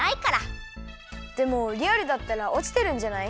でもリアルだったらおちてるんじゃない？